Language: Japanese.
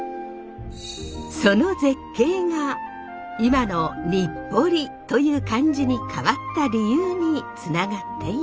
その絶景が今の日暮里という漢字に変わった理由につながっていました。